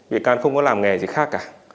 bị can không có làm nghề gì khác cả